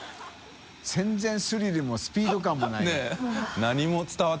漢スリルもスピード感もないよねぇ。